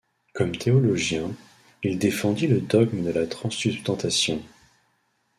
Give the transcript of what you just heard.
Comme théologien, il défendit le dogme de la transsubstantiation.